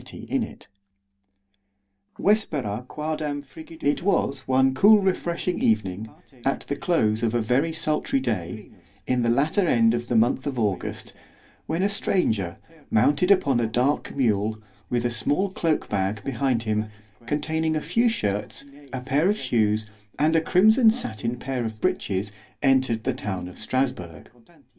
_ S L A W K E N B E R G I U S's T A L E IT was one cool refreshing evening, at the close of a very sultry day, in the latter end of the month of August, when a stranger, mounted upon a dark mule, with a small cloak bag behind him, containing a few shirts, a pair of shoes, and a crimson sattin pair of breeches, entered the town of _Strasburg.